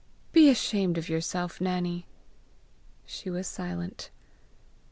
Be ashamed of yourself, Nannie!" She was silent.